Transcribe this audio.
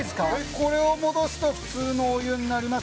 これを戻すと普通のお湯になります。